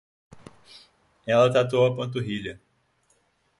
Ela tatuou a panturrilha